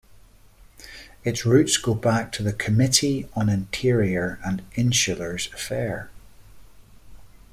Its roots go back to the 'Committee on Interior and Insulars Affair'.